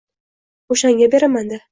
O‘shanga beraman-da.